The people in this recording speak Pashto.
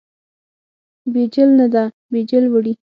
بیجل نه ده، بیجل وړي.